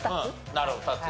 なるほど２つ。